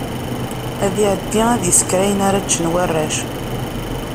Ad iɛeddi ad isker ayen ara ččen warrac.